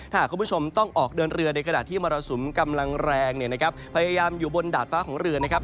ถ้าหากคุณผู้ชมต้องออกเดินเรือในขณะที่มรสุมกำลังแรงเนี่ยนะครับพยายามอยู่บนดาดฟ้าของเรือนะครับ